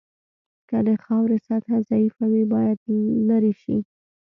که د خاورې سطحه ضعیفه وي باید لرې شي